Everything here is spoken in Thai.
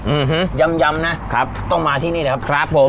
อืมย้ำย้ำนะครับต้องมาที่นี่แหละครับผม